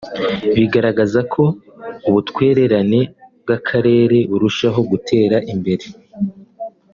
bigaragaza ko ubutwererane bw’Akarere burushaho gutera imbere